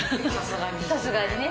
さすがにね。